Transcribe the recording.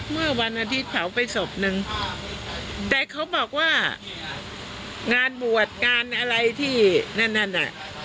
เมื่อวันอาทิตย์เผาไปศพนึงแต่เขาบอกว่างานบวชงานอะไรที่นั่นนั่นน่ะ